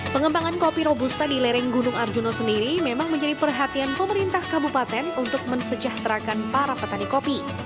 pengembangan kopi robusta di lereng gunung arjuna sendiri memang menjadi perhatian pemerintah kabupaten untuk mensejahterakan para petani kopi